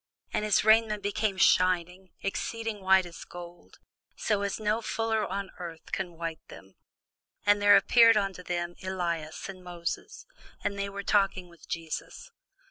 And his raiment became shining, exceeding white as snow; so as no fuller on earth can white them. And there appeared unto them Elias with Moses: and they were talking with Jesus.